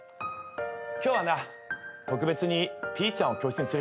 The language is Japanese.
今日はな特別にピーちゃんを教室に連れてきた。